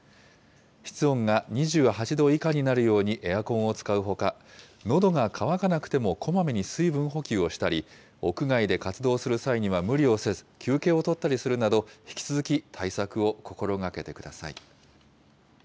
室温が２８度以下になるようにエアコンを使うほか、のどが渇かなくてもこまめに水分補給をしたり、屋外で活動する際には無理をせず、休憩をとったりするなど、引き続き、対策を心がけてください。